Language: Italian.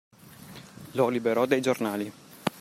Lo liberò dai giornali.